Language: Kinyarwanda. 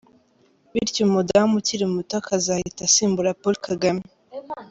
Bityo umudamu ukiri muto akazahita asimbura Paul Kagame !